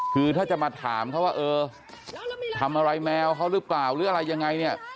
คือถ้าจะมาถามเขาว่าเออทำอะไรแมวเขาหรือเปล่าหรืออะไรยังไงเนี่ย